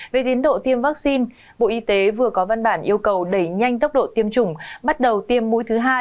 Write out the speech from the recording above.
về tiến độ tiêm vaccine bộ y tế vừa có văn bản yêu cầu đẩy nhanh tốc độ tiêm chủng bắt đầu tiêm mũi thứ hai